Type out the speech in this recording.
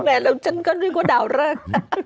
แม้แล้วฉันก็ด้วยว่าดาวเริก